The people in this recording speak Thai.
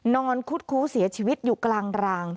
คุดคู้เสียชีวิตอยู่กลางราง